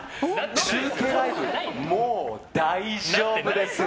中継ライブ、もう大丈夫です。